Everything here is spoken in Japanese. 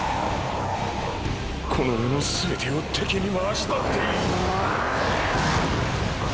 この世のすべてを敵に回したっていい。